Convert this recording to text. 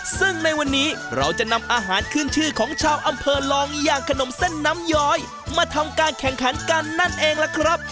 ซึ่งในวันนี้เราจะนำอาหารขึ้นชื่อของชาวอำเภอลองอย่างขนมเส้นน้ำย้อยมาทำการแข่งขันกันนั่นเองล่ะครับ